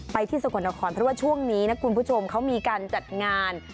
ที่สกลนครเพราะว่าช่วงนี้นะคุณผู้ชมเขามีการจัดงาน